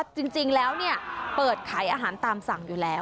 อ๋อเจ้าของร้าน